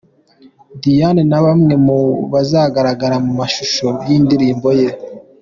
Diyen na bamwe mu bazagaragara mu mashusho y'indirimbo ye.